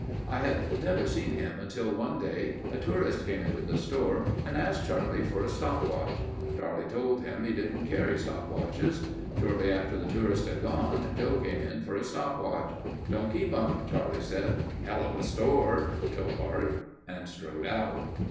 I had never seen him until one day a tourist came into the store and asked Charlie for a stop watch. Charlie told him he didn't carry stop watches. Shortly after the tourist had gone, Joe came in for a stop watch. "Don't keep 'em," Charlie said. "Helluva store," Joe barked and strode out.